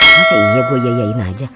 maksa iya gua yayain aja